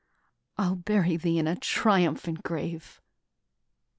I'll bury thee in a triumphant grave!"